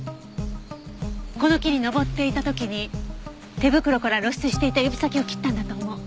この木に登っていた時に手袋から露出していた指先を切ったんだと思う。